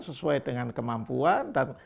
sesuai dengan kemampuan dan